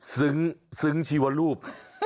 ซึ้งชีวรูป